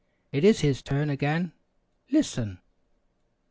It is his turn again. Listen!